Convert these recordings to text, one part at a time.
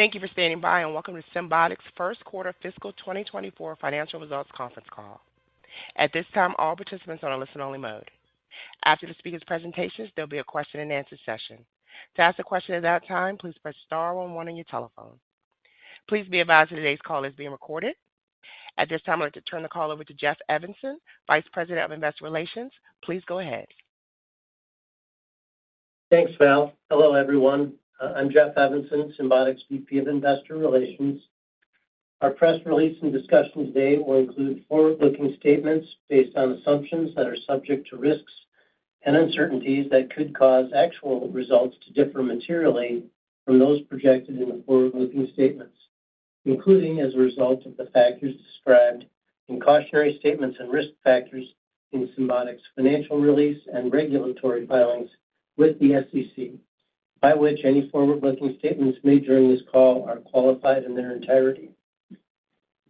Thank you for standing by, and welcome to Symbotic's first quarter fiscal 2024 financial results conference call. At this time, all participants are on a listen-only mode. After the speaker's presentations, there'll be a question and answer session. To ask a question at that time, please press star one one on your telephone. Please be advised that today's call is being recorded. At this time, I'd like to turn the call over to Jeff Evanson, Vice President of Investor Relations. Please go ahead. Thanks, Val. Hello, everyone. I'm Jeff Evenson, Symbotic's VP of Investor Relations. Our press release and discussion today will include forward-looking statements based on assumptions that are subject to risks and uncertainties that could cause actual results to differ materially from those projected in the forward-looking statements, including as a result of the factors described in cautionary statements and risk factors in Symbotic's financial release and regulatory filings with the SEC, by which any forward-looking statements made during this call are qualified in their entirety.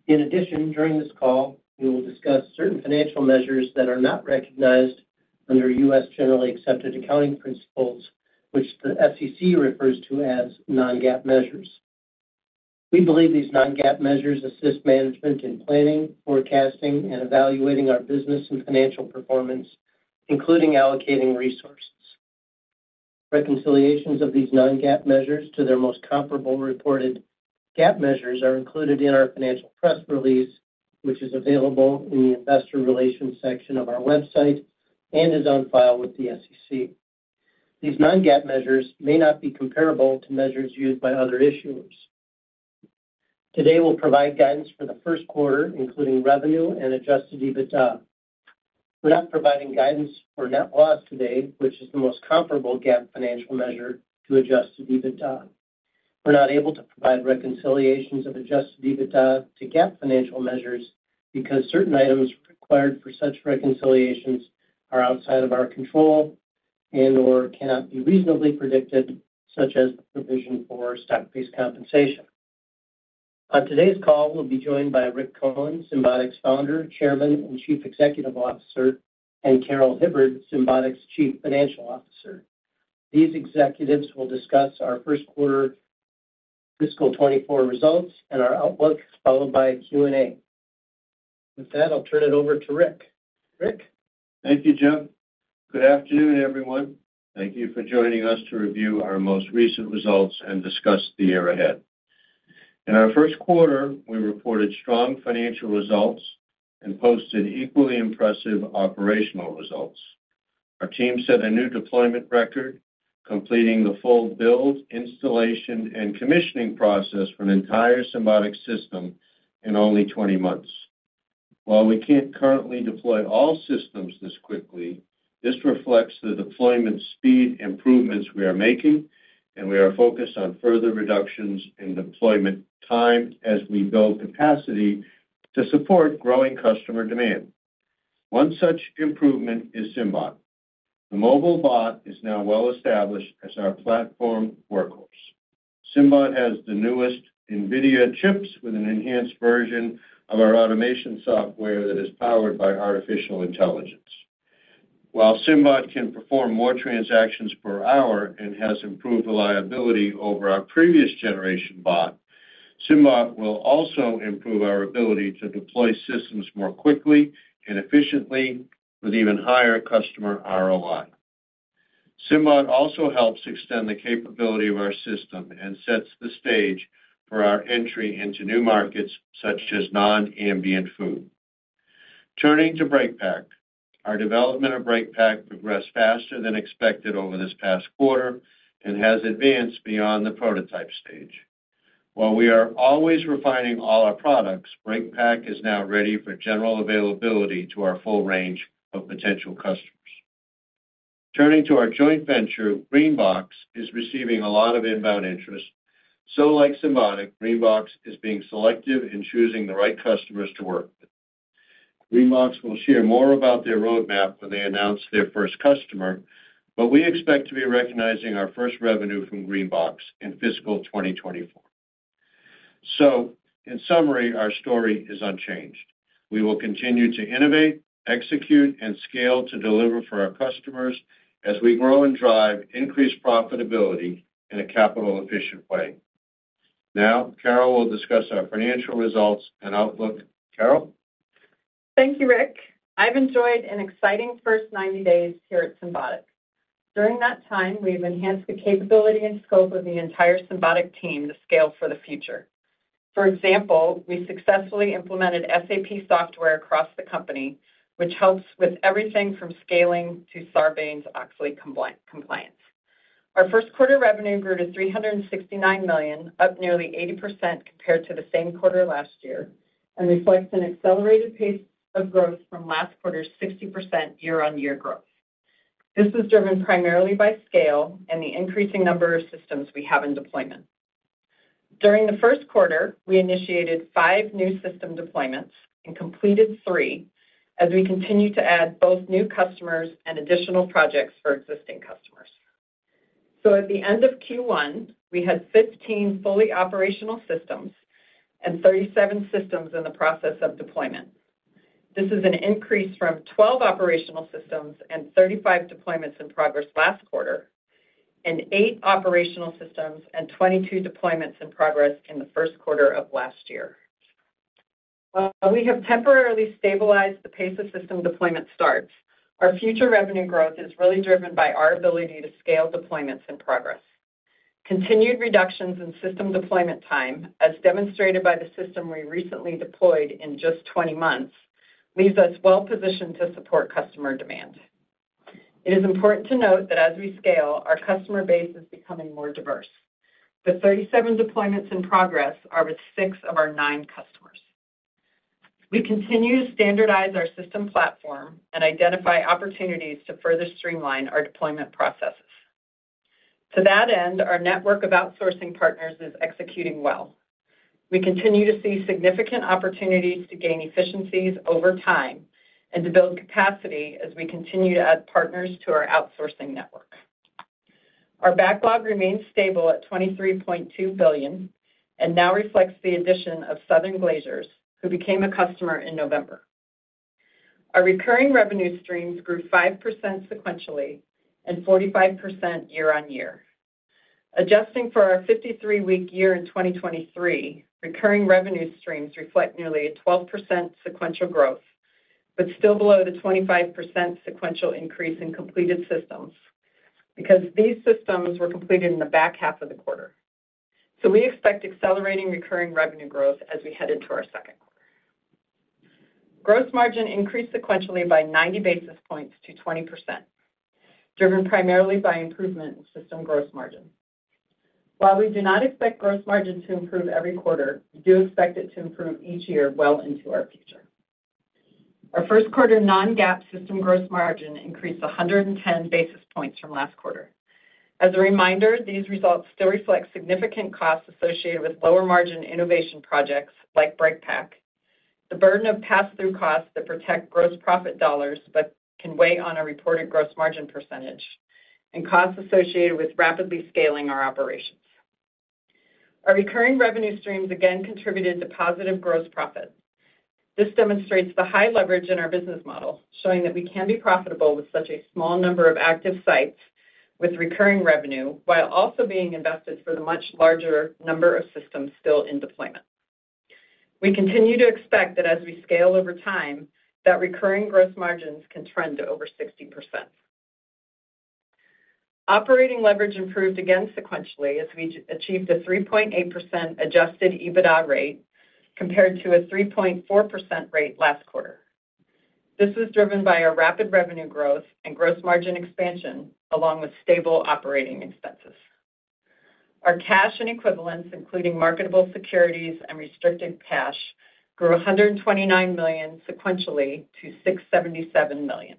In addition, during this call, we will discuss certain financial measures that are not recognized under U.S. generally accepted accounting principles, which the SEC refers to as non-GAAP measures. We believe these non-GAAP measures assist management in planning, forecasting, and evaluating our business and financial performance, including allocating resources. Reconciliations of these non-GAAP measures to their most comparable reported GAAP measures are included in our financial press release, which is available in the Investor Relations section of our website and is on file with the SEC. These non-GAAP measures may not be comparable to measures used by other issuers. Today, we'll provide guidance for the first quarter, including revenue and Adjusted EBITDA. We're not providing guidance for net loss today, which is the most comparable GAAP financial measure to Adjusted EBITDA. We're not able to provide reconciliations of Adjusted EBITDA to GAAP financial measures because certain items required for such reconciliations are outside of our control and/or cannot be reasonably predicted, such as the provision for stock-based compensation. On today's call, we'll be joined by Rick Cohen, Symbotic's Founder, Chairman, and Chief Executive Officer, and Carol Hibbard, Symbotic's Chief Financial Officer. These executives will discuss our first quarter fiscal 2024 results and our outlook, followed by a Q&A. With that, I'll turn it over to Rick. Rick? Thank you, Jeff. Good afternoon, everyone. Thank you for joining us to review our most recent results and discuss the year ahead. In our first quarter, we reported strong financial results and posted equally impressive operational results. Our team set a new deployment record, completing the full build, installation, and commissioning process for an entire Symbotic system in only 20 months. While we can't currently deploy all systems this quickly, this reflects the deployment speed improvements we are making, and we are focused on further reductions in deployment time as we build capacity to support growing customer demand. One such improvement is SymBot. The mobile bot is now well established as our platform workhorse. SymBot has the newest NVIDIA chips with an enhanced version of our automation software that is powered by artificial intelligence. While SymBot can perform more transactions per hour and has improved reliability over our previous generation bot, SymBot will also improve our ability to deploy systems more quickly and efficiently with even higher customer ROI. SymBot also helps extend the capability of our system and sets the stage for our entry into new markets, such as non-ambient food. Turning to BreakPack, our development of BreakPack progressed faster than expected over this past quarter and has advanced beyond the prototype stage. While we are always refining all our products, BreakPack is now ready for general availability to our full range of potential customers. Turning to our joint venture, GreenBox is receiving a lot of inbound interest, so like Symbotic, GreenBox is being selective in choosing the right customers to work with. GreenBox will share more about their roadmap when they announce their first customer, but we expect to be recognizing our first revenue from GreenBox in fiscal 2024. In summary, our story is unchanged. We will continue to innovate, execute, and scale to deliver for our customers as we grow and drive increased profitability in a capital-efficient way. Now, Carol will discuss our financial results and outlook. Carol? Thank you, Rick. I've enjoyed an exciting first 90 days here at Symbotic. During that time, we've enhanced the capability and scope of the entire Symbotic team to scale for the future. For example, we successfully implemented SAP software across the company, which helps with everything from scaling to Sarbanes-Oxley compliance. Our first quarter revenue grew to $369 million, up nearly 80% compared to the same quarter last year, and reflects an accelerated pace of growth from last quarter's 60% year-on-year growth. This was driven primarily by scale and the increasing number of systems we have in deployment. During the first quarter, we initiated fivenew system deployments and completed three as we continue to add both new customers and additional projects for existing customers. So at the end of Q1, we had 15 fully operational systems and 37 systems in the process of deployment. This is an increase from 12 operational systems and 35 deployments in progress last quarter, and eight operational systems and 22 deployments in progress in the first quarter of last year. While we have temporarily stabilized the pace of system deployment starts, our future revenue growth is really driven by our ability to scale deployments in progress. Continued reductions in system deployment time, as demonstrated by the system we recently deployed in just 20 months, leaves us well positioned to support customer demand. It is important to note that as we scale, our customer base is becoming more diverse. The 37 deployments in progress are with six of our nine customers. We continue to standardize our system platform and identify opportunities to further streamline our deployment processes. To that end, our network of outsourcing partners is executing well. We continue to see significant opportunities to gain efficiencies over time and to build capacity as we continue to add partners to our outsourcing network. Our backlog remains stable at $23.2 billion and now reflects the addition of Southern Glazer's, who became a customer in November. Our recurring revenue streams grew 5% sequentially and 45% year-on-year. Adjusting for our 53-week year in 2023, recurring revenue streams reflect nearly a 12% sequential growth, but still below the 25% sequential increase in completed systems, because these systems were completed in the back half of the quarter. So we expect accelerating recurring revenue growth as we head into our second quarter. Gross margin increased sequentially by 90 basis points to 20%, driven primarily by improvement in system gross margin. While we do not expect gross margin to improve every quarter, we do expect it to improve each year well into our future. Our first quarter non-GAAP system gross margin increased 110 basis points from last quarter. As a reminder, these results still reflect significant costs associated with lower-margin innovation projects like BreakPack, the burden of pass-through costs that protect gross profit dollars but can weigh on our reported gross margin percentage, and costs associated with rapidly scaling our operations. Our recurring revenue streams again contributed to positive gross profit. This demonstrates the high leverage in our business model, showing that we can be profitable with such a small number of active sites with recurring revenue, while also being invested for the much larger number of systems still in deployment. We continue to expect that as we scale over time, that recurring gross margins can trend to over 60%. Operating leverage improved again sequentially as we achieved a 3.8% adjusted EBITDA rate, compared to a 3.4% rate last quarter. This was driven by our rapid revenue growth and gross margin expansion, along with stable operating expenses. Our cash and equivalents, including marketable securities and restricted cash, grew $129 million sequentially to $677 million.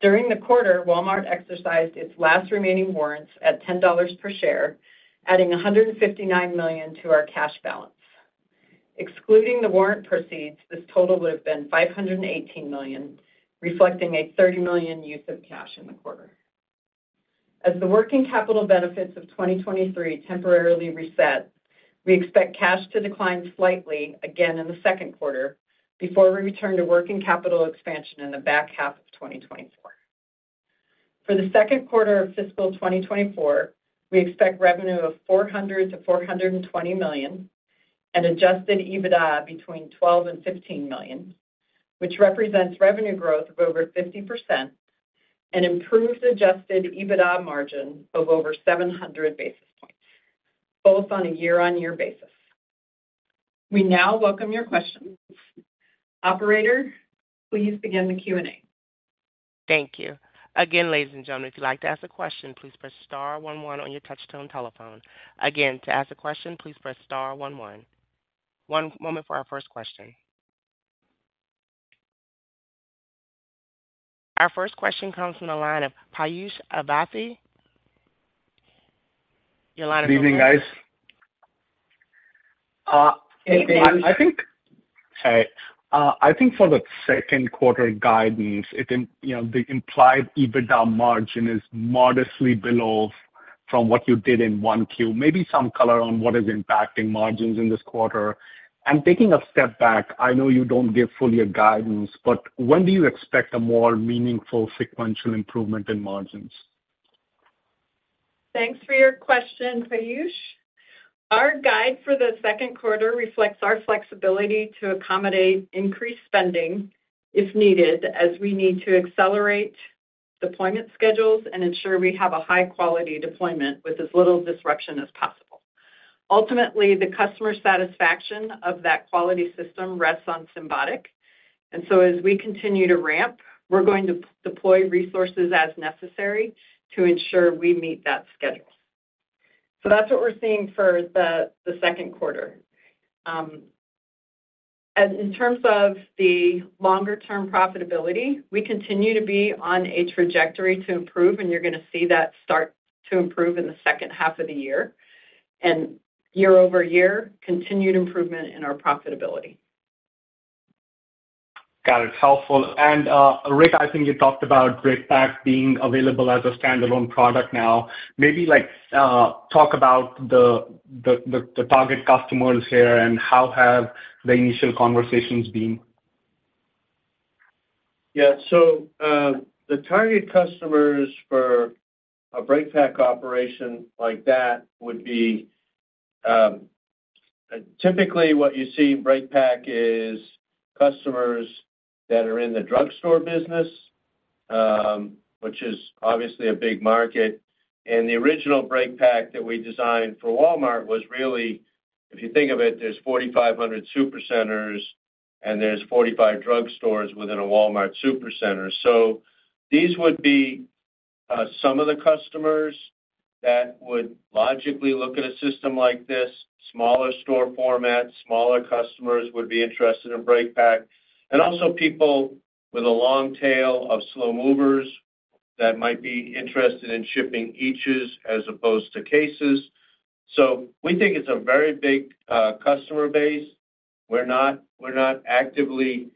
During the quarter, Walmart exercised its last remaining warrants at $10 per share, adding $159 million to our cash balance. Excluding the warrant proceeds, this total would have been $518 million, reflecting a $30 million use of cash in the quarter. As the working capital benefits of 2023 temporarily reset, we expect cash to decline slightly again in the second quarter before we return to working capital expansion in the back half of 2024. For the second quarter of fiscal 2024, we expect revenue of $400 million to $420 million and adjusted EBITDA between $12 million to $15 million, which represents revenue growth of over 50% and improves adjusted EBITDA margin of over 700 basis points, both on a year-on-year basis. We now welcome your questions. Operator, please begin the Q&A. Thank you. Again, ladies and gentlemen, if you'd like to ask a question, please press star one one on your touchtone telephone. Again, to ask a question, please press star one one. One moment for our first question. Our first question comes from the line of Piyush Avasthy. Your line is open. Good evening, guys. Evening. I think, sorry. I think for the second quarter guidance, it, you know, the implied EBITDA margin is modestly below from what you did in Q1. Maybe some color on what is impacting margins in this quarter. And taking a step back, I know you don't give full year guidance, but when do you expect a more meaningful sequential improvement in margins? Thanks for your question, Piyush. Our guide for the second quarter reflects our flexibility to accommodate increased spending, if needed, as we need to accelerate deployment schedules and ensure we have a high-quality deployment with as little disruption as possible. Ultimately, the customer satisfaction of that quality system rests on Symbotic, and so as we continue to ramp, we're going to deploy resources as necessary to ensure we meet that schedule. So that's what we're seeing for the second quarter. And in terms of the longer-term profitability, we continue to be on a trajectory to improve, and you're going to see that start to improve in the second half of the year, and year over year, continued improvement in our profitability. Got it. Helpful. And, Rick, I think you talked about BreakPack being available as a standalone product now. Maybe, like, talk about the target customers here, and how have the initial conversations been? Yeah. So, the target customers for a BreakPack operation like that would be, typically, what you see in BreakPack is customers that are in the drugstore business, which is obviously a big market. And the original BreakPack that we designed for Walmart was really, if you think of it, there's 4,500 supercenters, and there's 45 drugstores within a Walmart supercenter. So these would be, some of the customers that would logically look at a system like this. Smaller store formats, smaller customers would be interested in BreakPack, and also people with a long tail of slow movers that might be interested in shipping each as opposed to cases. So we think it's a very big, customer base. We're not, we're not actively,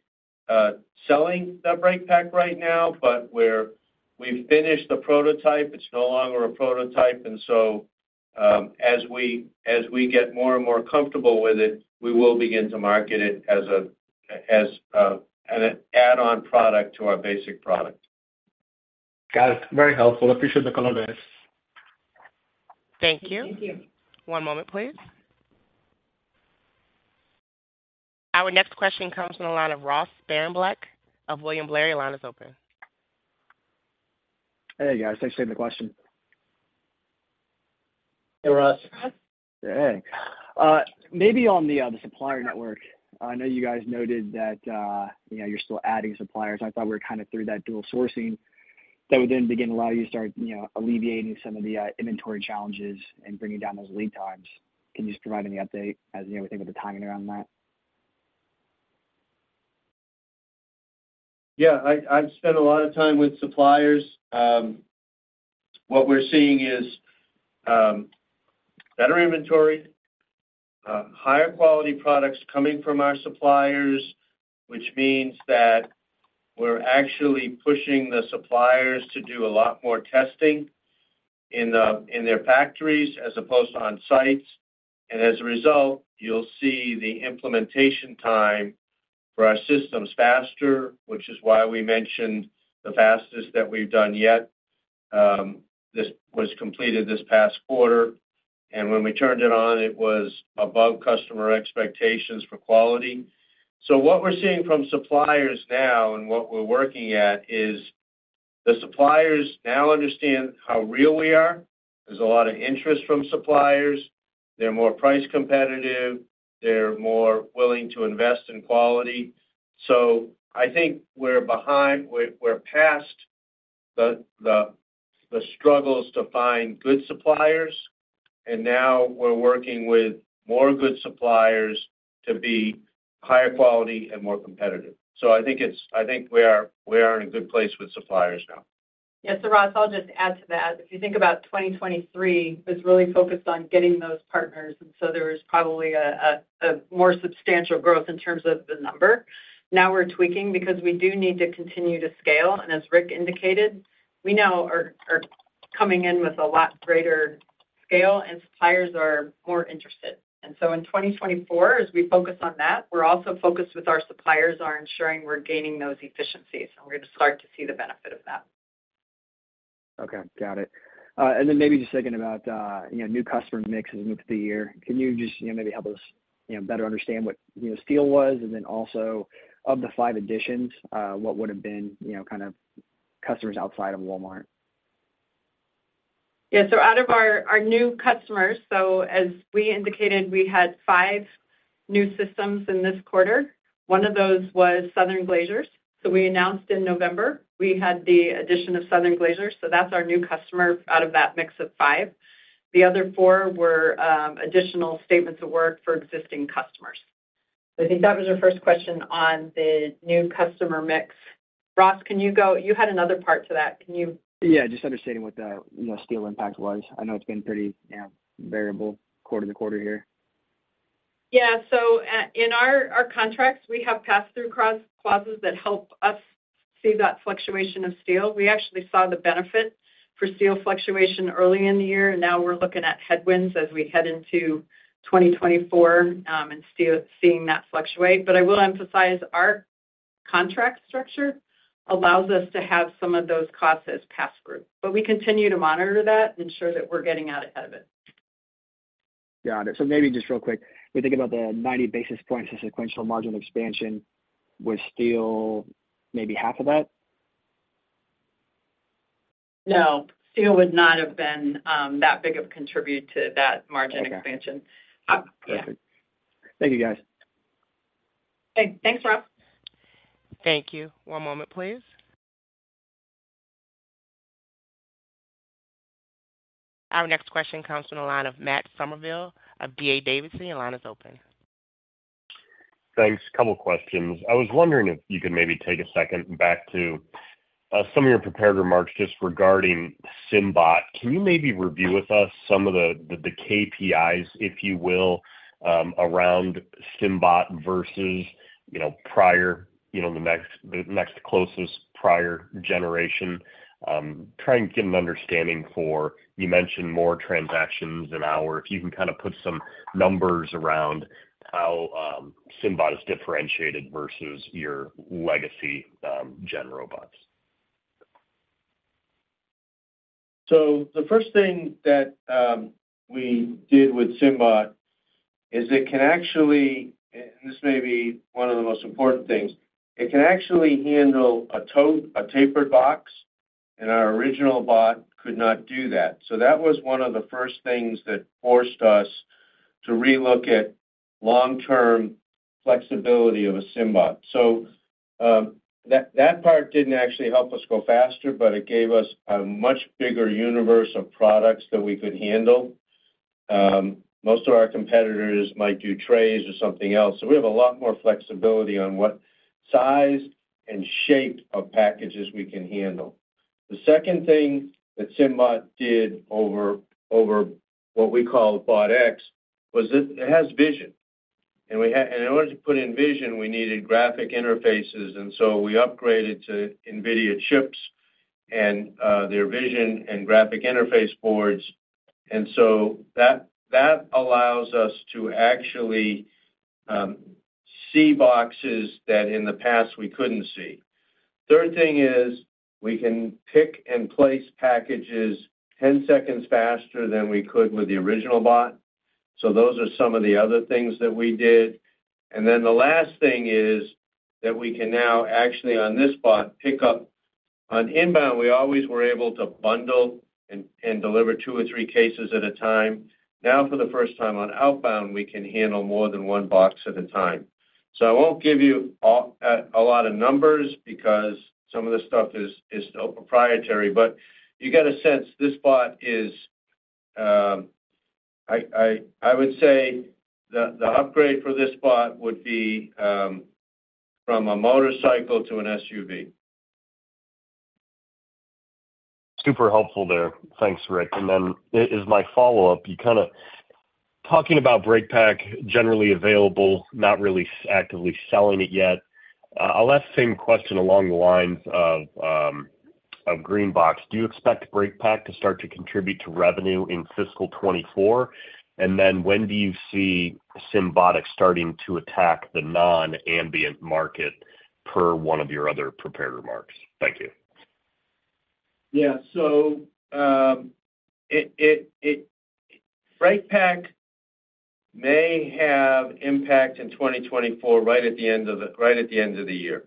selling the BreakPack right now, but we've finished the prototype. It's no longer a prototype, and so, as we get more and more comfortable with it, we will begin to market it as an add-on product to our basic product. Got it. Very helpful. Appreciate the color there. Thank you. One moment, please. Our next question comes from the line of Ross Sparenblek of William Blair. Your line is open. Hey, guys. Thanks for taking the question. Hey, Ross. Hey. Maybe on the, the supplier network, I know you guys noted that, you know, you're still adding suppliers. I thought we were kind of through that dual sourcing that would then begin to allow you to start, you know, alleviating some of the, inventory challenges and bringing down those lead times. Can you just provide any update as you know, think of the timing around that? Yeah, I've spent a lot of time with suppliers. What we're seeing is better inventory, higher quality products coming from our suppliers, which means that we're actually pushing the suppliers to do a lot more testing in their factories as opposed to on sites. And as a result, you'll see the implementation time for our systems faster, which is why we mentioned the fastest that we've done yet. This was completed this past quarter, and when we turned it on, it was above customer expectations for quality. So what we're seeing from suppliers now and what we're working at is the suppliers now understand how real we are. There's a lot of interest from suppliers. They're more price competitive. They're more willing to invest in quality. So I think we're past the struggles to find good suppliers, and now we're working with more good suppliers to be higher quality and more competitive. So I think we are in a good place with suppliers now. Yes, so Ross, I'll just add to that. If you think about 2023, it was really focused on getting those partners, and so there was probably a more substantial growth in terms of the number. Now we're tweaking because we do need to continue to scale, and as Rick indicated, we now are coming in with a lot greater scale and suppliers are more interested. And so in 2024, as we focus on that, we're also focused with our suppliers on ensuring we're gaining those efficiencies, and we're going to start to see the benefit of that. Okay, got it. And then maybe just thinking about, you know, new customer mix as we move through the year. Can you just, you know, maybe help us, you know, better understand what the deal was? And then also, of the five additions, what would have been, you know, kind of customers outside of Walmart? Yeah. So out of our new customers, so as we indicated, we had five new systems in this quarter. One of those was Southern Glazer's. So we announced in November, we had the addition of Southern Glazer's, so that's our new customer out of that mix of five. The other four were additional statements of work for existing customers. So I think that was your first question on the new customer mix. Ross, can you go. You had another part to that. Can you- Yeah, just understanding what the, you know, steel impact was. I know it's been pretty, you know, variable quarter to quarter here. Yeah. So, in our contracts, we have pass-through cost clauses that help us see that fluctuation of steel. We actually saw the benefit for steel fluctuation early in the year, and now we're looking at headwinds as we head into 2024, and steel, seeing that fluctuate. But I will emphasize, our contract structure allows us to have some of those costs as pass-through. But we continue to monitor that and ensure that we're getting out ahead of it. Got it. So maybe just real quick, we think about the 90 basis points of sequential margin expansion with steel, maybe half of that? No, steel would not have been that big of a contributor to that margin expansion. Okay. Yeah. Perfect. Thank you, guys. Okay. Thanks, Ross. Thank you. One moment, please. Our next question comes from the line of Matt Summerville of D.A. Davidson. The line is open. Thanks. A couple questions. I was wondering if you could maybe take a second back to some of your prepared remarks just regarding SymBot, can you maybe review with us some of the KPIs, if you will, around SymBot versus, you know, prior, you know, the next closest prior generation? Trying to get an understanding for, you mentioned more transactions an hour. If you can kind of put some numbers around how SymBot is differentiated versus your legacy gen robots. So the first thing that we did with SymBot is it can actually, and this may be one of the most important things, it can actually handle a tote, a tapered box, and our original bot could not do that. So that was one of the first things that forced us to relook at long-term flexibility of a SymBot. So that part didn't actually help us go faster, but it gave us a much bigger universe of products that we could handle. Most of our competitors might do trays or something else, so we have a lot more flexibility on what size and shape of packages we can handle. The second thing that SymBot did over what we call Bot X was it has vision. And in order to put in vision, we needed graphic interfaces, and so we upgraded to NVIDIA chips and their vision and graphic interface boards. And so that, that allows us to actually see boxes that in the past we couldn't see. Third thing is, we can pick and place packages 10 seconds faster than we could with the original bot. So those are some of the other things that we did. And then the last thing is that we can now actually, on this bot, pick up. On inbound, we always were able to bundle and deliver two or three cases at a time. Now, for the first time on outbound, we can handle more than one box at a time. So I won't give you all a lot of numbers because some of the stuff is still proprietary, but you get a sense this bot is. I would say the upgrade for this bot would be from a motorcycle to an SUV. Super helpful there. Thanks, Rick. And then as my follow-up, you kind of talking about BreakPack generally available, not really actively selling it yet. I'll ask same question along the lines of, of GreenBox. Do you expect BreakPack to start to contribute to revenue in fiscal 2024? And then when do you see Symbotic starting to attack the non-ambient market per one of your other prepared remarks? Thank you. Yeah. So, BreakPack may have impact in 2024, right at the end of the year.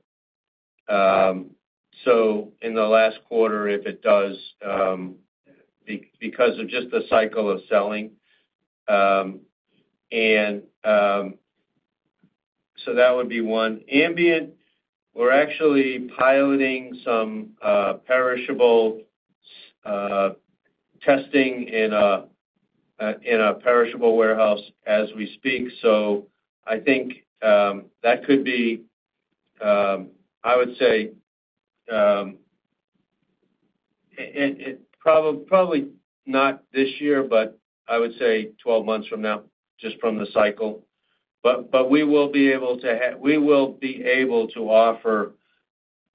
So in the last quarter, if it does, because of just the cycle of selling, and, so that would be one. Ambient, we're actually piloting some perishable testing in a perishable warehouse as we speak. So I think that could be, I would say, probably not this year, but I would say twelve months from now, just from the cycle. But we will be able to have, we will be able to offer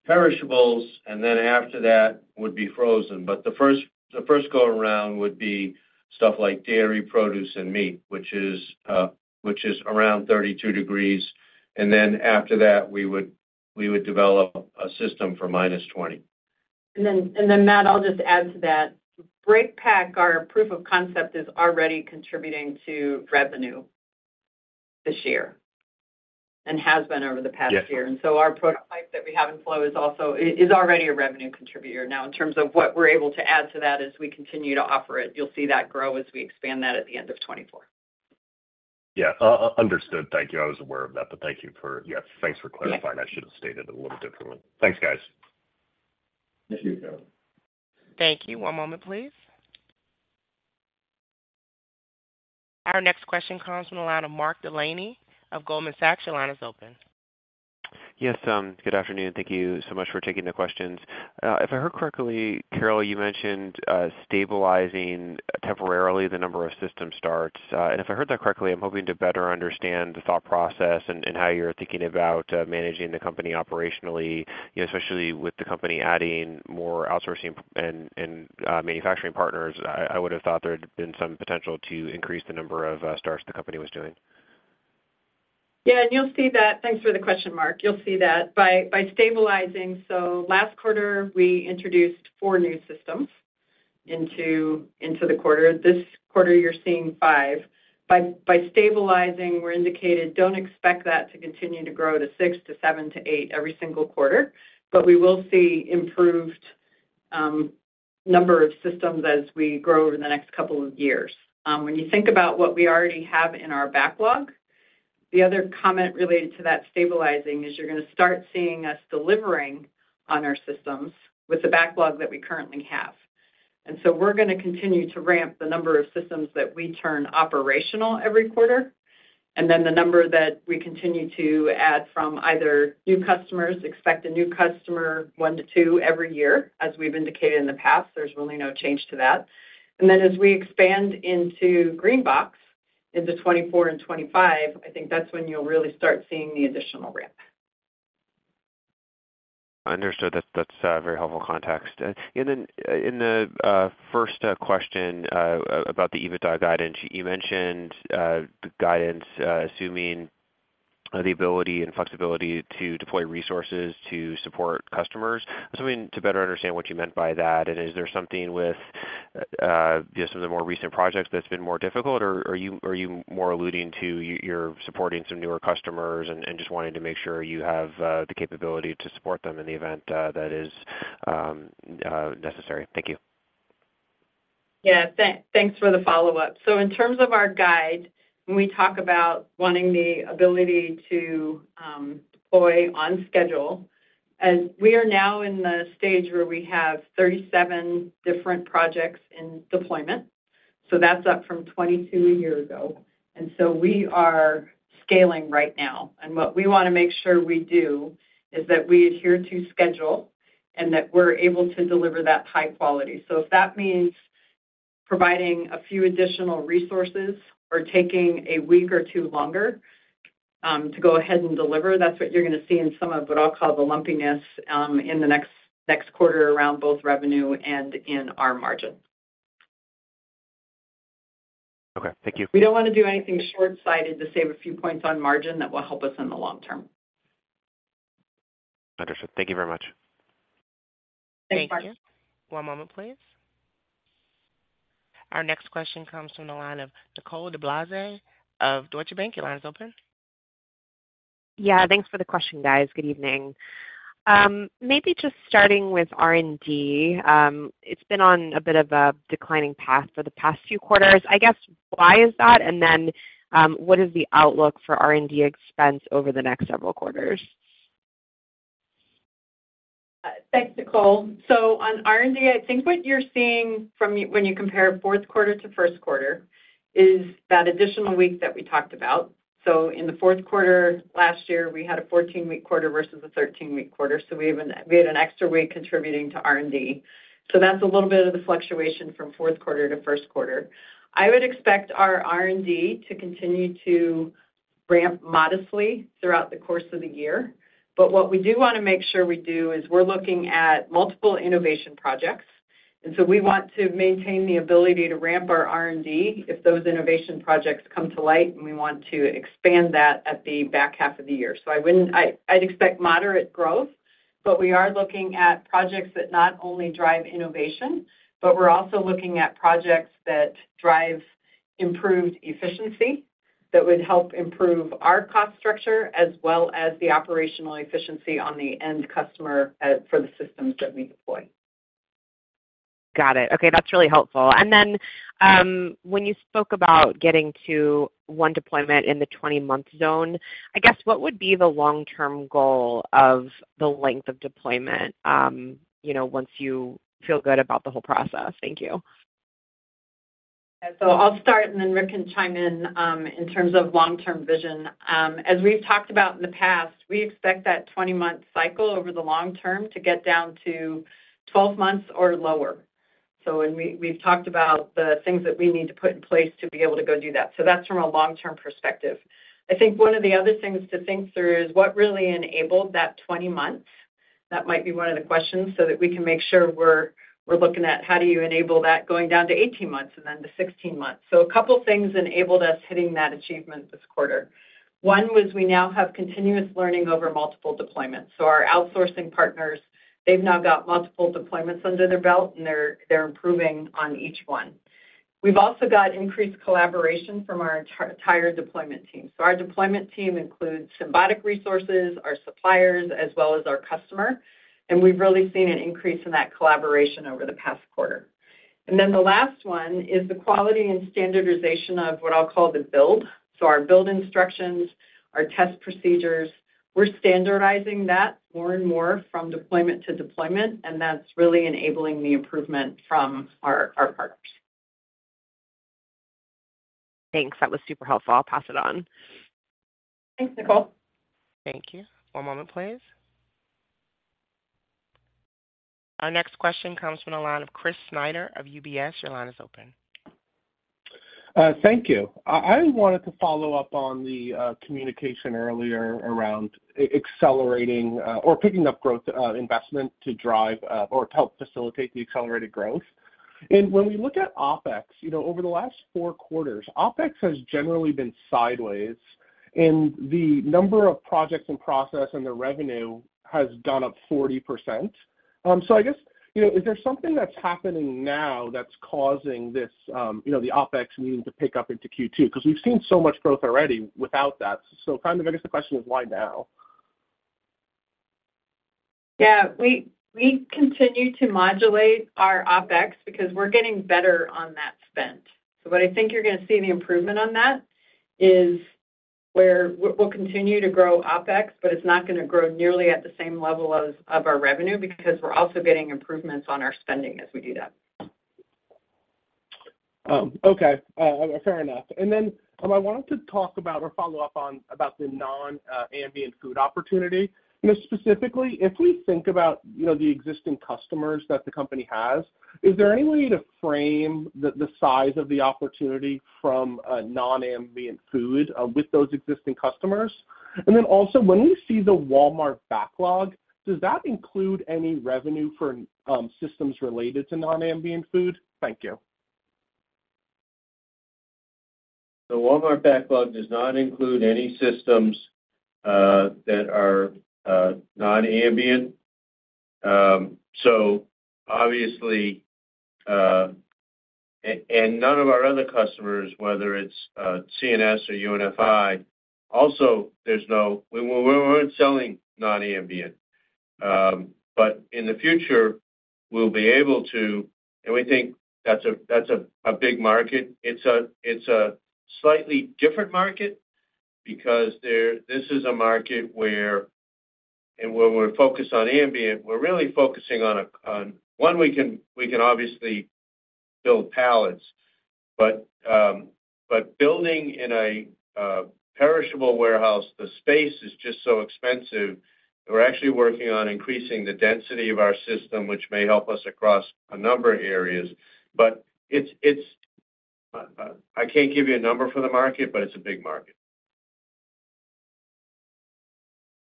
perishables, and then after that would be frozen. But the first go-around would be stuff like dairy, produce, and meat, which is around 32 degrees. Then after that, we would develop a system for minus 20. And then, Matt, I'll just add to that. BreakPack, our proof of concept, is already contributing to revenue this year and has been over the past year. Yes. And so our product type that we have in flow is also, is already a revenue contributor. Now, in terms of what we're able to add to that as we continue to offer it, you'll see that grow as we expand that at the end of 2024. Yeah. Understood. Thank you. I was aware of that, but thank you for, yes, thanks for clarifying. Yeah. I should have stated it a little differently. Thanks, guys. Thank you. Thank you. One moment, please. Our next question comes from the line of Mark Delaney of Goldman Sachs. Your line is open. Yes, good afternoon. Thank you so much for taking the questions. If I heard correctly, Carol, you mentioned stabilizing temporarily the number of system starts. And if I heard that correctly, I'm hoping to better understand the thought process and how you're thinking about managing the company operationally, you know, especially with the company adding more outsourcing and manufacturing partners. I would have thought there had been some potential to increase the number of starts the company was doing. Yeah, and you'll see that. Thanks for the question, Mark. You'll see that by stabilizing. So last quarter, we introduced four new systems into the quarter. This quarter, you're seeing five. By stabilizing, we're indicating don't expect that to continue to grow to six to seven to eight every single quarter, but we will see improved number of systems as we grow over the next couple of years. When you think about what we already have in our backlog, the other comment related to that stabilizing is you're going to start seeing us delivering on our systems with the backlog that we currently have. So we're gonna continue to ramp the number of systems that we turn operational every quarter, and then the number that we continue to add from either new customers, expect a new customer, one to two every year, as we've indicated in the past, there's really no change to that. And then as we expand into GreenBox, into 2024 and 2025, I think that's when you'll really start seeing the additional ramp. Understood. That's very helpful context. In the first question about the EBITDA guidance, you mentioned the guidance assuming the ability and flexibility to deploy resources to support customers. Just wanting to better understand what you meant by that, and is there something with just some of the more recent projects that's been more difficult? Or, are you more alluding to you're supporting some newer customers and just wanting to make sure you have the capability to support them in the event that is necessary? Thank you. Yeah, thanks for the follow-up. So in terms of our guide, when we talk about wanting the ability to deploy on schedule, as we are now in the stage where we have 37 different projects in deployment, so that's up from 22 a year ago, and so we are scaling right now. And what we wanna make sure we do is that we adhere to schedule and that we're able to deliver that high quality. So if that means providing a few additional resources or taking a week or two longer to go ahead and deliver, that's what you're gonna see in some of what I'll call the lumpiness in the next quarter around both revenue and in our margin. Okay, thank you. We don't wanna do anything short-sighted to save a few points on margin that will help us in the long term. Understood. Thank you very much. Thanks, Mark. Thank you. One moment, please. Our next question comes from the line of Nicole DeBlase of Deutsche Bank. Your line is open. Yeah, thanks for the question, guys. Good evening. Maybe just starting with R&D, it's been on a bit of a declining path for the past few quarters. I guess, why is that? And then, what is the outlook for R&D expense over the next several quarters? Thanks, Nicole. So on R&D, I think what you're seeing from when you compare fourth quarter to first quarter, is that additional week that we talked about. So in the fourth quarter, last year, we had a 14-week quarter versus a 13-week quarter, so we had an extra week contributing to R&D. So that's a little bit of the fluctuation from fourth quarter to first quarter. I would expect our R&D to continue to ramp modestly throughout the course of the year. But what we do wanna make sure we do is we're looking at multiple innovation projects, and so we want to maintain the ability to ramp our R&D if those innovation projects come to light, and we want to expand that at the back half of the year. So I wouldn't, I'd expect moderate growth, but we are looking at projects that not only drive innovation, but we're also looking at projects that drive improved efficiency, that would help improve our cost structure, as well as the operational efficiency on the end customer, for the systems that we deploy. Got it. Okay, that's really helpful. And then, when you spoke about getting to one deployment in the 20-month zone, I guess, what would be the long-term goal of the length of deployment, you know, once you feel good about the whole process? Thank you. So I'll start, and then Rick can chime in, in terms of long-term vision. As we've talked about in the past, we expect that 20-month cycle over the long term to get down to 12 months or lower. So and we, we've talked about the things that we need to put in place to be able to go do that. So that's from a long-term perspective. I think one of the other things to think through is what really enabled that 20 months. That might be one of the questions so that we can make sure we're, we're looking at how do you enable that going down to 18 months and then to 16 months. So a couple of things enabled us hitting that achievement this quarter. One was we now have continuous learning over multiple deployments. So our outsourcing partners, they've now got multiple deployments under their belt, and they're improving on each one. We've also got increased collaboration from our entire deployment team. So our deployment team includes Symbotic resources, our suppliers, as well as our customer, and we've really seen an increase in that collaboration over the past quarter. And then the last one is the quality and standardization of what I'll call the build. So our build instructions, our test procedures, we're standardizing that more and more from deployment to deployment, and that's really enabling the improvement from our partners. Thanks. That was super helpful. I'll pass it on. Thanks, Nicole. Thank you. One moment, please. Our next question comes from the line of Chris Snyder of UBS. Your line is open. Thank you. I wanted to follow up on the communication earlier around accelerating or picking up growth investment to drive or to help facilitate the accelerated growth. And when we look at OpEx, you know, over the last four quarters, OpEx has generally been sideways, and the number of projects in process and the revenue has gone up 40%. So I guess, you know, is there something that's happening now that's causing this, you know, the OpEx needing to pick up into Q2? Because we've seen so much growth already without that. So kind of I guess the question is: Why now? Yeah, we continue to modulate our OpEx because we're getting better on that spend. So what I think you're gonna see the improvement on that is where we'll continue to grow OpEx, but it's not gonna grow nearly at the same level as of our revenue, because we're also getting improvements on our spending as we do that. Okay, fair enough. And then, I wanted to talk about or follow up on the non-ambient food opportunity. Just specifically, if we think about, you know, the existing customers that the company has, is there any way to frame the size of the opportunity from non-ambient food with those existing customers? And then also, when we see the Walmart backlog, does that include any revenue for systems related to non-ambient food? Thank you. The Walmart backlog does not include any systems that are non-ambient. So obviously, and none of our other customers, whether it's C&S or UNFI, also, there's no-- we're selling non-ambient. But in the future, we'll be able to, and we think that's a big market. It's a slightly different market because there-- this is a market where and when we're focused on ambient, we're really focusing on one, we can obviously build pallets, but building in a perishable warehouse, the space is just so expensive. We're actually working on increasing the density of our system, which may help us across a number of areas. But it's, I can't give you a number for the market, but it's a big market.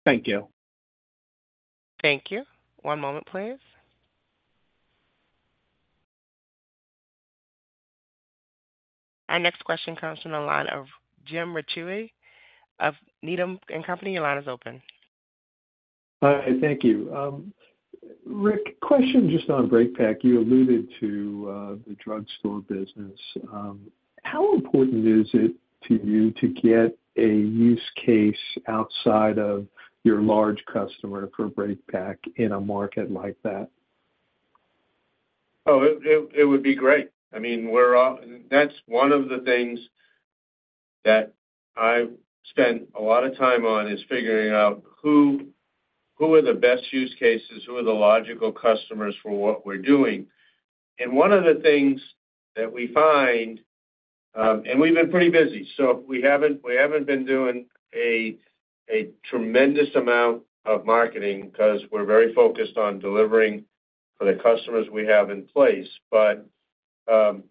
Thank you. Thank you. One moment, please. Our next question comes from the line of Jim Ricchiuti of Needham & Company. Your line is open. Hi, thank you. Rick, question just on BreakPack. You alluded to the drugstore business. How important is it to you to get a use case outside of your large customer for BreakPack in a market like that? Oh, it would be great. I mean, we're, that's one of the things that I spent a lot of time on, is figuring out who are the best use cases, who are the logical customers for what we're doing. And one of the things that we find, and we've been pretty busy, so we haven't been doing a tremendous amount of marketing because we're very focused on delivering for the customers we have in place. But,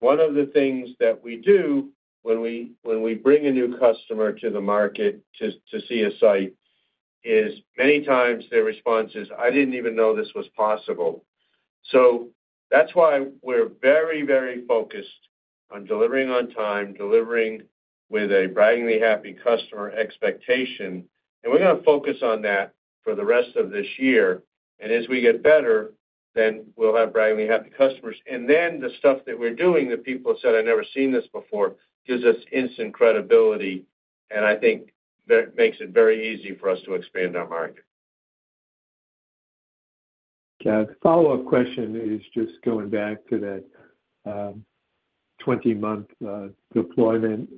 one of the things that we do when we bring a new customer to the market to see a site, is many times their response is, "I didn't even know this was possible." So that's why we're very, very focused on delivering on time, delivering with a braggingly happy customer expectation. We're gonna focus on that for the rest of this year. As we get better, then we'll have braggingly happy customers. Then the stuff that we're doing, that people have said, "I've never seen this before," gives us instant credibility, and I think that makes it very easy for us to expand our market. Yeah. The follow-up question is just going back to that 20-month deployment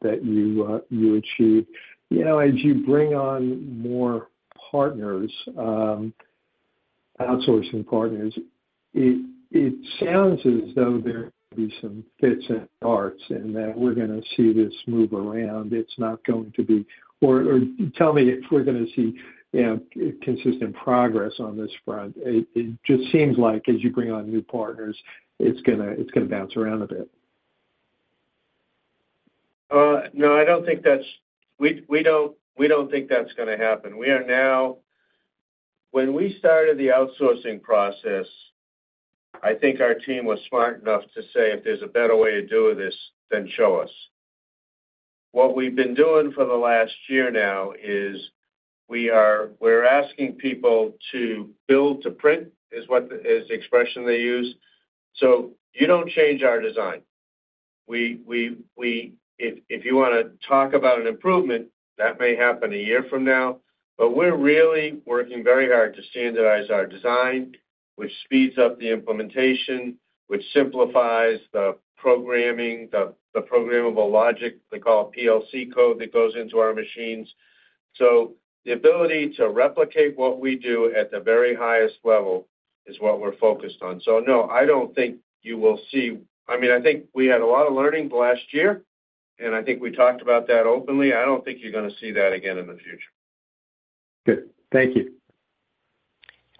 that you achieved. You know, as you bring on more partners, outsourcing partners, it sounds as though there may be some fits and starts, and that we're gonna see this move around. It's not going to be or tell me if we're gonna see, you know, consistent progress on this front. It just seems like as you bring on new partners, it's gonna bounce around a bit. No, I don't think that's—we don't think that's gonna happen. We are now... When we started the outsourcing process, I think our team was smart enough to say, "If there's a better way of doing this, then show us." What we've been doing for the last year now is we're asking people to build to print, which is the expression they use. So you don't change our design. If you wanna talk about an improvement, that may happen a year from now, but we're really working very hard to standardize our design, which speeds up the implementation, which simplifies the programming, the programmable logic they call it PLC code that goes into our machines. So the ability to replicate what we do at the very highest level is what we're focused on. So, no, I don't think you will see... I mean, I think we had a lot of learning last year, and I think we talked about that openly. I don't think you're gonna see that again in the future. Good. Thank you.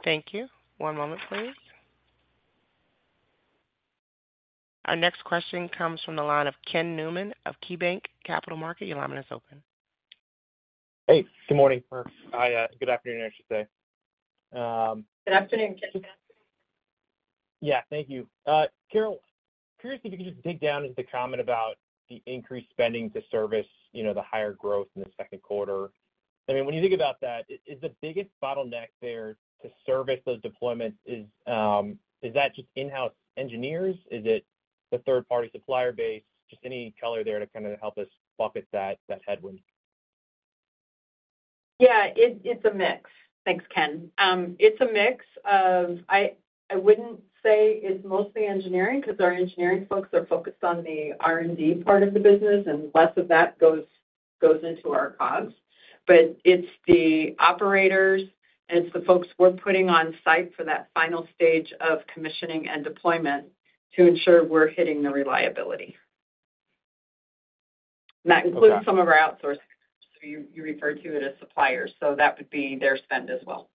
Thank you. One moment, please. Our next question comes from the line of Ken Newman of KeyBank Capital Markets. Your line is open. Hey, good morning. Or hi, good afternoon, I should say. Good afternoon, Ken. Yeah. Thank you. Carol, curious if you could just dig down into the comment about the increased spending to service, you know, the higher growth in the second quarter. I mean, when you think about that, is the biggest bottleneck there to service those deployments, is, is that just in-house engineers? Is it the third-party supplier base? Just any color there to kind of help us bucket that, that headwind? Yeah, it’s a mix. Thanks, Ken. It’s a mix of—I wouldn’t say it’s mostly engineering, because our engineering folks are focused on the R&D part of the business, and less of that goes into our costs. But it’s the operators, and it’s the folks we’re putting on site for that final stage of commissioning and deployment to ensure we’re hitting the reliability. And that includes some of our outsourced, so you referred to it as suppliers, so that would be their spend as well.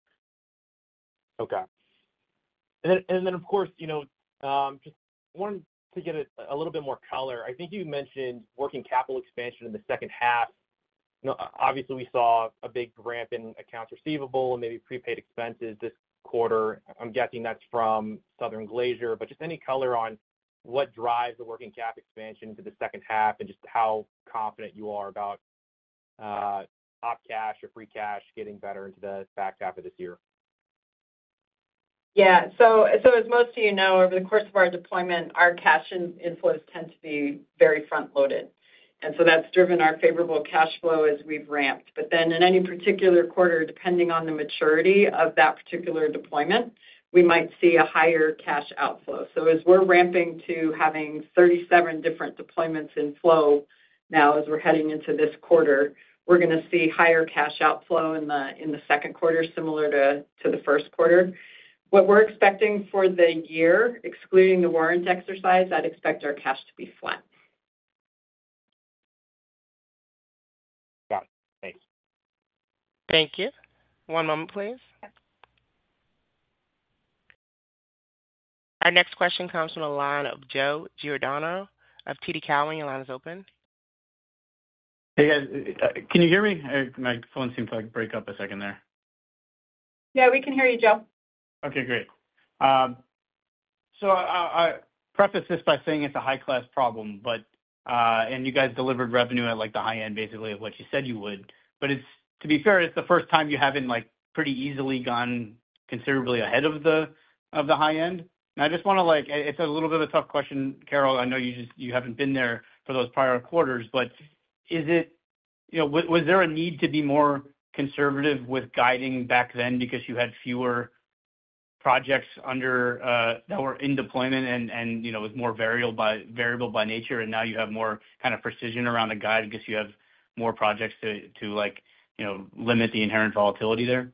Okay. And then, of course, you know, just wanted to get a little bit more color. I think you mentioned working capital expansion in the second half. You know, obviously, we saw a big ramp in accounts receivable and maybe prepaid expenses this quarter. I'm guessing that's from Southern Glazer. But just any color on what drives the working cap expansion for the second half, and just how confident you are about op cash or free cash getting better into the back half of this year? Yeah. So, so as most of you know, over the course of our deployment, our cash inflows tend to be very front-loaded, and so that's driven our favorable cash flow as we've ramped. But then, in any particular quarter, depending on the maturity of that particular deployment, we might see a higher cash outflow. So as we're ramping to having 37 different deployments in flow now, as we're heading into this quarter, we're going to see higher cash outflow in the second quarter, similar to the first quarter. What we're expecting for the year, excluding the warrants exercise, I'd expect our cash to be flat. Got it. Thanks. Thank you. One moment, please. Our next question comes from the line of Joe Giordano of TD Cowen. Your line is open. Hey, guys. Can you hear me? My phone seemed to, like, break up a second there. Yeah, we can hear you, Joe. Okay, great. So I preface this by saying it's a high-class problem, but you guys delivered revenue at, like, the high end, basically of what you said you would. But it's, to be fair, it's the first time you haven't, like, pretty easily gone considerably ahead of the high end. And I just want to, like, it's a little bit of a tough question, Carol. I know you just, you haven't been there for those prior quarters, but is it, you know, was there a need to be more conservative with guiding back then because you had fewer projects under that were in deployment and, you know, was more variable by nature, and now you have more kind of precision around the guide because you have more projects to, like, you know, limit the inherent volatility there?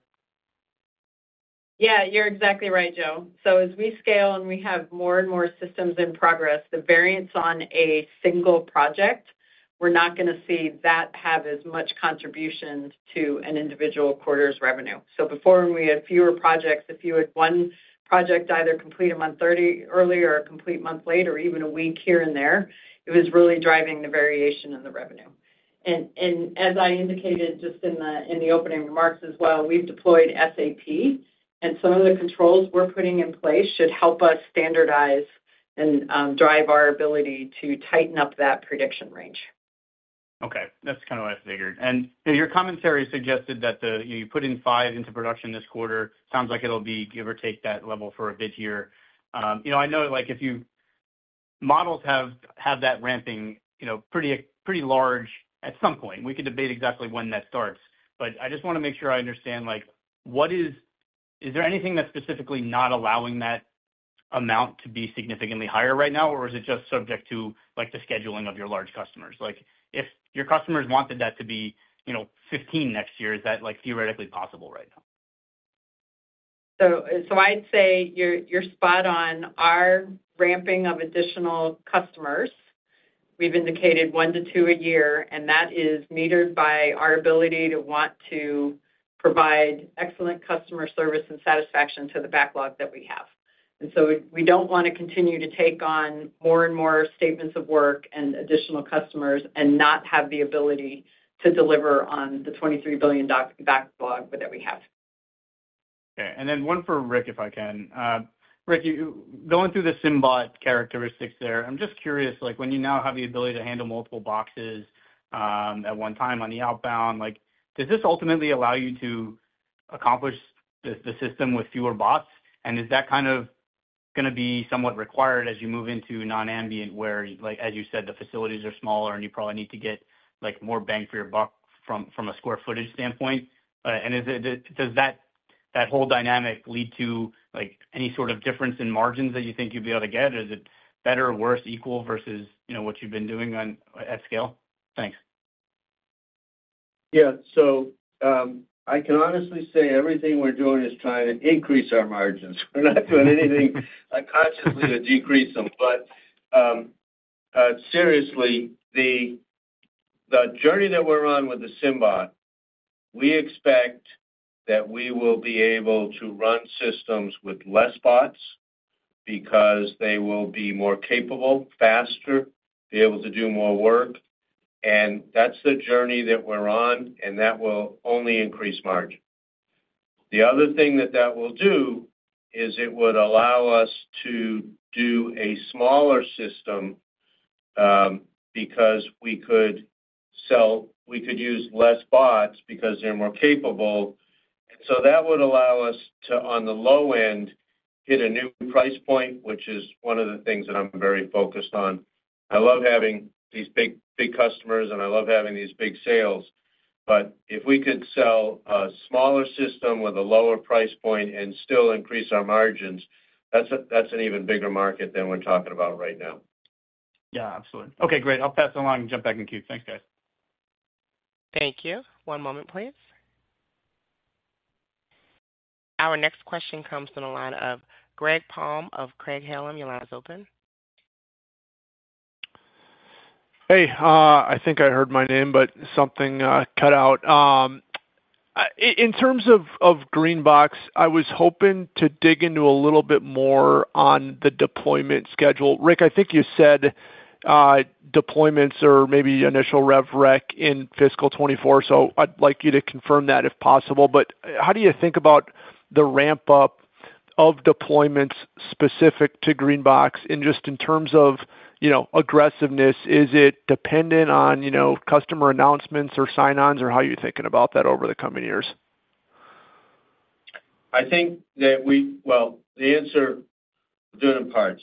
Yeah, you're exactly right, Joe. So as we scale, and we have more and more systems in progress, the variance on a single project, we're not going to see that have as much contribution to an individual quarter's revenue. So before, when we had fewer projects, if you had one project either complete a month 30 earlier or complete a month later or even a week here and there, it was really driving the variation in the revenue. And as I indicated just in the opening remarks as well, we've deployed SAP, and some of the controls we're putting in place should help us standardize and drive our ability to tighten up that prediction range. Okay, that's kind of what I figured. And your commentary suggested that the, you know, you put in 5 into production this quarter. Sounds like it'll be give or take that level for a bit here. You know, I know, like, if you models have, have that ramping, you know, pretty, pretty large at some point, we could debate exactly when that starts. But I just want to make sure I understand, like, what is, is there anything that's specifically not allowing that amount to be significantly higher right now, or is it just subject to, like, the scheduling of your large customers? Like, if your customers wanted that to be, you know, 15 next year, is that, like, theoretically possible right now? So, I'd say you're spot on. Our ramping of additional customers, we've indicated one to two a year, and that is metered by our ability to want to provide excellent customer service and satisfaction to the backlog that we have. And so we don't want to continue to take on more and more statements of work and additional customers and not have the ability to deliver on the $23 billion backlog that we have. Okay, and then one for Rick, if I can. Rick, you going through the SymBot characteristics there, I'm just curious, like, when you now have the ability to handle multiple boxes at one time on the outbound, like, does this ultimately allow you to accomplish the system with fewer bots? And is that kind of going to be somewhat required as you move into non-ambient, where, like, as you said, the facilities are smaller, and you probably need to get, like, more bang for your buck from a square footage standpoint? And is it? Does that whole dynamic lead to, like, any sort of difference in margins that you think you'd be able to get? Or is it better or worse, equal, versus, you know, what you've been doing on at scale? Thanks. Yeah. So, I can honestly say everything we're doing is trying to increase our margins. We're not doing anything, like, consciously to decrease them. But, seriously, the journey that we're on with the SymBot, we expect that we will be able to run systems with less bots because they will be more capable, faster, be able to do more work, and that's the journey that we're on, and that will only increase margin. The other thing that that will do is it would allow us to do a smaller system, because we could sell—we could use less bots because they're more capable. So that would allow us to, on the low end, hit a new price point, which is one of the things that I'm very focused on. I love having these big, big customers, and I love having these big sales, but if we could sell a smaller system with a lower price point and still increase our margins, that's an even bigger market than we're talking about right now. Yeah, absolutely. Okay, great. I'll pass along and jump back in queue. Thanks, guys. Thank you. One moment, please. Our next question comes from the line of Greg Palm of Craig-Hallum. Your line is open. Hey, I think I heard my name, but something cut out. In terms of GreenBox, I was hoping to dig into a little bit more on the deployment schedule. Rick, I think you said deployments or maybe initial rev rec in fiscal 2024, so I'd like you to confirm that if possible. But how do you think about the ramp-up of deployments specific to GreenBox? And just in terms of, you know, aggressiveness, is it dependent on, you know, customer announcements or sign-ons, or how are you thinking about that over the coming years? Well, the answer, do it in parts.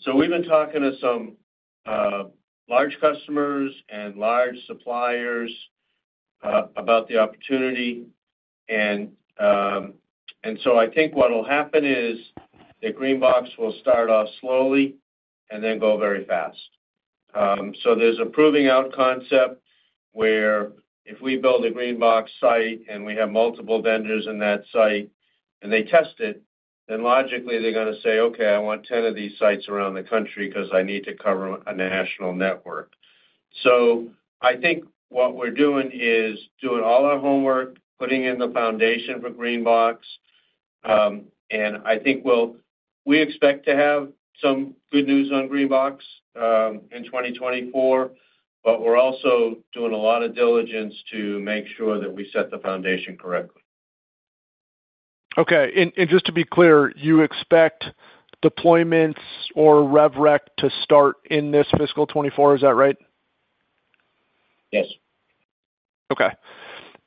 So we've been talking to some large customers and large suppliers about the opportunity. And so I think what will happen is that GreenBox will start off slowly and then go very fast. So there's a proving out concept where if we build a GreenBox site and we have multiple vendors in that site and they test it, then logically, they're gonna say, "Okay, I want 10 of these sites around the country because I need to cover a national network." So I think what we're doing is doing all our homework, putting in the foundation for GreenBox. And I think we expect to have some good news on GreenBox in 2024, but we're also doing a lot of diligence to make sure that we set the foundation correctly. Okay. And just to be clear, you expect deployments or rev rec to start in this fiscal 2024, is that right? Yes. Okay.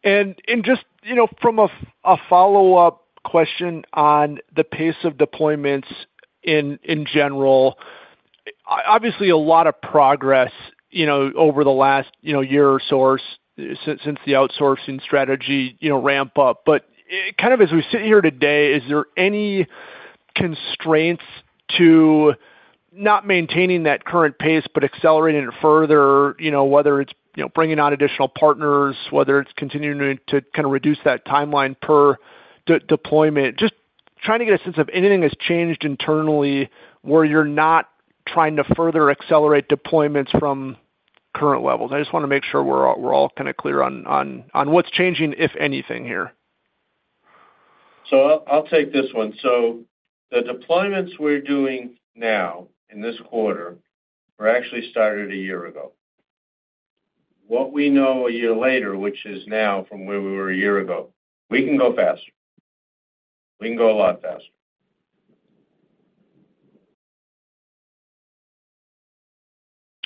And just, you know, from a follow-up question on the pace of deployments in general, obviously, a lot of progress, you know, over the last year or so since the outsourcing strategy ramp up. But kind of as we sit here today, is there any constraints to not maintaining that current pace but accelerating it further? You know, whether it's bringing on additional partners, whether it's continuing to kind of reduce that timeline per deployment. Just trying to get a sense of anything that's changed internally where you're not trying to further accelerate deployments from current levels. I just want to make sure we're all kind of clear on what's changing, if anything, here. So I'll take this one. So the deployments we're doing now in this quarter were actually started a year ago. What we know a year later, which is now from where we were a year ago, we can go faster. We can go a lot faster.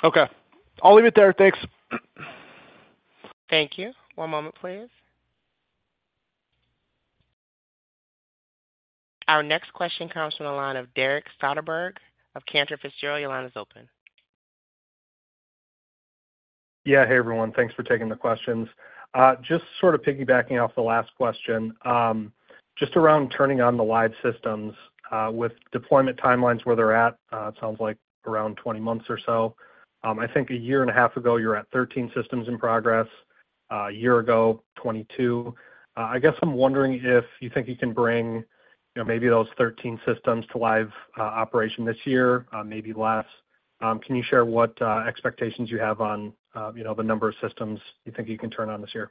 Okay, I'll leave it there. Thanks. Thank you. One moment, please. Our next question comes from the line of Derek Soderberg of Cantor Fitzgerald. Your line is open. Yeah. Hey, everyone. Thanks for taking the questions. Just sort of piggybacking off the last question, just around turning on the live systems, with deployment timelines where they're at, it sounds like around 20 months or so. I think a year and a half ago, you were at 13 systems in progress, a year ago, 22. I guess I'm wondering if you think you can bring, you know, maybe those 13 systems to live operation this year, maybe less. Can you share what expectations you have on, you know, the number of systems you think you can turn on this year?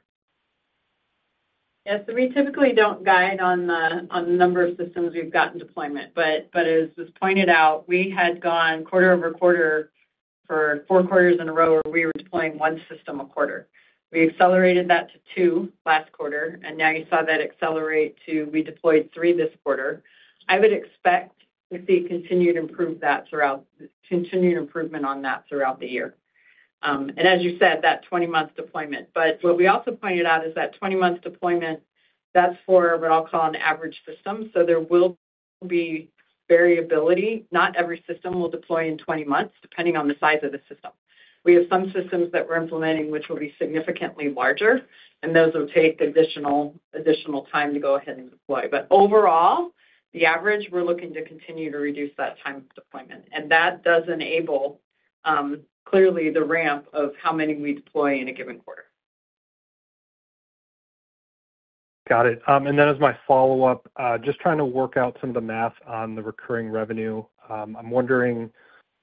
Yes, so we typically don't guide on the number of systems we've got in deployment. But as was pointed out, we had gone quarter-over-quarter for four quarters in a row where we were deploying one system a quarter. We accelerated that to two last quarter, and now you saw that accelerate to we deployed three this quarter. I would expect to see continued improvement on that throughout the year. And as you said, that 20-month deployment. But what we also pointed out is that 20-month deployment, that's for what I'll call an average system. So there will be variability. Not every system will deploy in 20 months, depending on the size of the system. We have some systems that we're implementing, which will be significantly larger, and those will take additional time to go ahead and deploy. Overall, the average, we're looking to continue to reduce that time of deployment, and that does enable clearly the ramp of how many we deploy in a given quarter. Got it. And then as my follow-up, just trying to work out some of the math on the recurring revenue. I'm wondering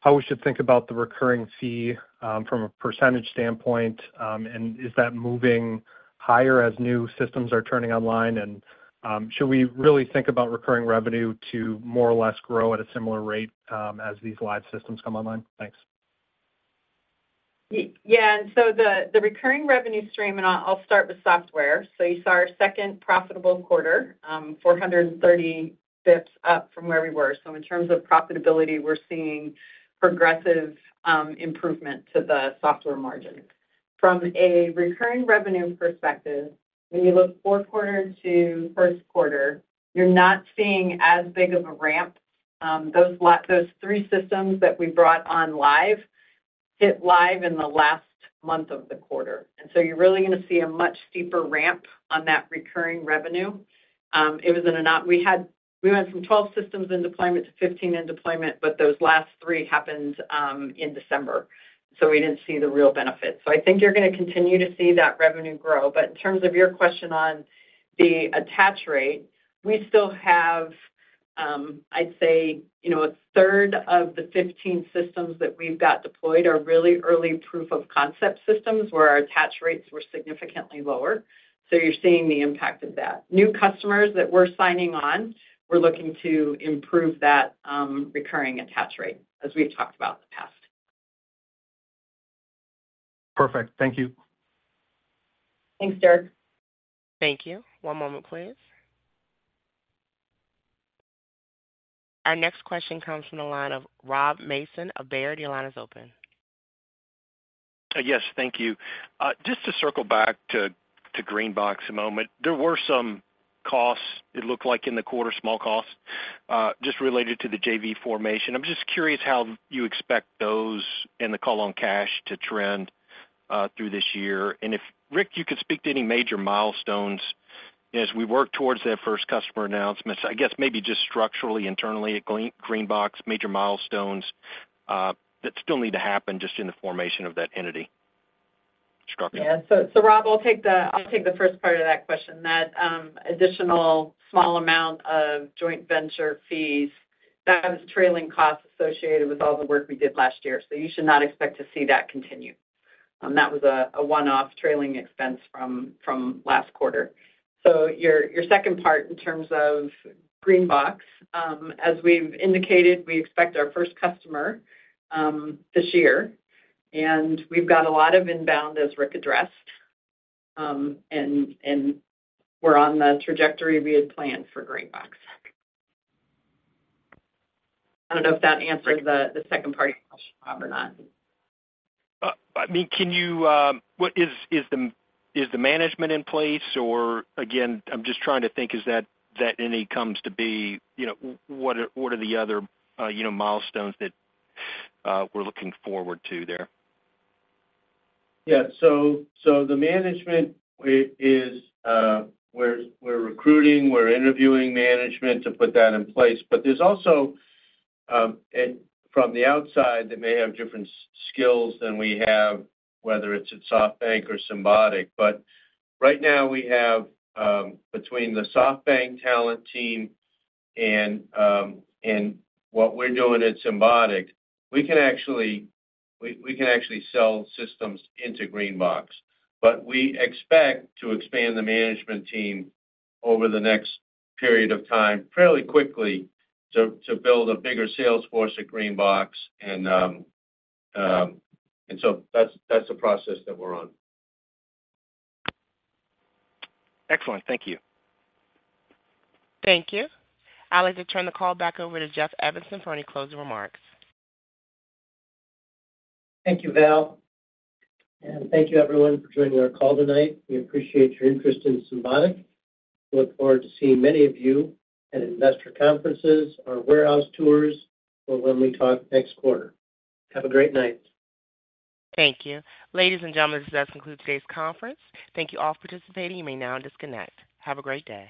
how we should think about the recurring fee, from a percentage standpoint, and is that moving higher as new systems are turning online? And, should we really think about recurring revenue to more or less grow at a similar rate, as these live systems come online? Thanks. Yeah, and so the recurring revenue stream, and I'll start with software. So you saw our second profitable quarter, 430 bps up from where we were. So in terms of profitability, we're seeing progressive improvement to the software margin. From a recurring revenue perspective, when you look fourth quarter to first quarter, you're not seeing as big of a ramp. Those three systems that we brought online went live in the last month of the quarter. And so you're really going to see a much steeper ramp on that recurring revenue. We went from 12 systems in deployment to 15 in deployment, but those last three happened in December, so we didn't see the real benefit. So I think you're going to continue to see that revenue grow. But in terms of your question on the attach rate, we still have, I'd say, you know, a third of the 15 systems that we've got deployed are really early proof of concept systems, where our attach rates were significantly lower. So you're seeing the impact of that. New customers that we're signing on, we're looking to improve that, recurring attach rate, as we've talked about in the past. Perfect. Thank you. Thanks, Derek. Thank you. One moment, please. Our next question comes from the line of Rob Mason of Baird. Your line is open. Yes, thank you. Just to circle back to GreenBox a moment. There were some costs, it looked like in the quarter, small costs, just related to the JV formation. I'm just curious how you expect those and the call on cash to trend through this year. And if, Rick, you could speak to any major milestones as we work towards that first customer announcement. I guess maybe just structurally, internally at GreenBox, major milestones that still need to happen just in the formation of that entity. Carol? Yeah. So Rob, I'll take the first part of that question. That additional small amount of joint venture fees, that was trailing costs associated with all the work we did last year. So you should not expect to see that continue. That was a one-off trailing expense from last quarter. So your second part, in terms of GreenBox, as we've indicated, we expect our first customer this year, and we've got a lot of inbound, as Rick addressed. And we're on the trajectory we had planned for GreenBox. I don't know if that answers the second part of your question, Rob, or not. I mean, can you, what is, is the, is the management in place? Or again, I'm just trying to think, as that, that entity comes to be, you know, what are, what are the other, you know, milestones that, we're looking forward to there? Yeah. So the management is, we're recruiting, we're interviewing management to put that in place. But there's also, from the outside, they may have different skills than we have, whether it's at SoftBank or Symbotic. But right now we have, between the SoftBank talent team and what we're doing at Symbotic, we can actually sell systems into GreenBox. But we expect to expand the management team over the next period of time, fairly quickly, to build a bigger sales force at GreenBox. And so that's the process that we're on. Excellent. Thank you. Thank you. I'd like to turn the call back over to Jeff Evanson for any closing remarks. Thank you, Val, and thank you, everyone, for joining our call tonight. We appreciate your interest in Symbotic. We look forward to seeing many of you at investor conferences or warehouse tours or when we talk next quarter. Have a great night. Thank you. Ladies and gentlemen, this does conclude today's conference. Thank you all for participating. You may now disconnect. Have a great day.